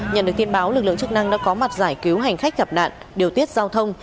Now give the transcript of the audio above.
nhận được tin báo lực lượng chức năng đã có mặt giải cứu hành khách gặp nạn điều tiết giao thông